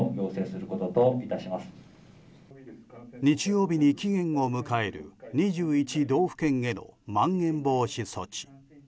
日曜日に期限を迎える２１道府県へのまん延防止措置。